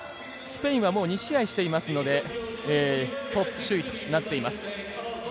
スペインはもう２試合していますのでトップ首位ということになっています。